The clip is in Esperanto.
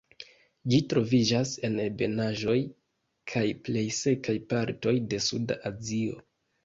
Ĝi troviĝas en ebenaĵoj kaj plej sekaj partoj de Suda Azio.